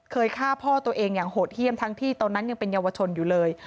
ฆ่าพ่อตัวเองอย่างโหดเยี่ยมทั้งที่ตอนนั้นยังเป็นเยาวชนอยู่เลย